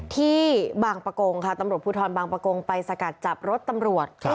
ที่บางประกงค่ะตำรวจภูทรบางประกงไปสกัดจับรถตำรวจ